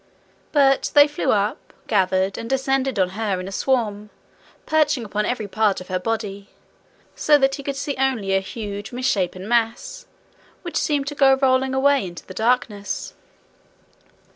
But they flew up, gathered, and descended on her in a swarm, perching upon every part of her body, so that he could see only a huge misshapen mass, which seemed to go rolling away into the darkness.